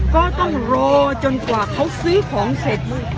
ก็ต้องรอจนกว่าเขาซื้อของเสร็จ